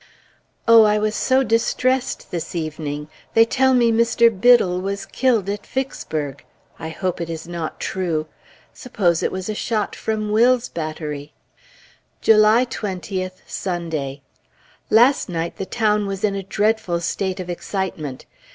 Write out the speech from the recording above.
Oh, I was so distressed this evening! They tell me Mr. Biddle was killed at Vicksburg. I hope it is not true. Suppose it was a shot from Will's battery? July 20th, Sunday. Last night the town was in a dreadful state of excitement.